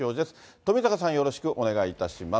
富坂さん、よろしくお願いいたします。